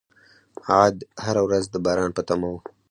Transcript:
عاد هره ورځ د باران په تمه وو.